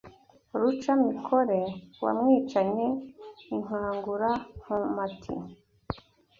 Ruca-mikore wamwicanye inkangura Nkomati